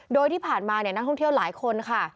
โดยที่ผ่านมานักท่องเที่ยวหลายคนค่ะ